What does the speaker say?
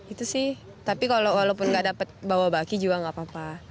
itu sih tapi kalau walaupun nggak dapat bawa baki juga nggak apa apa